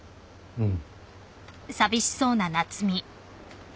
うん。